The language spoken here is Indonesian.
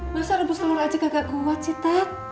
masa rebus telur aja kagak kuat sih tat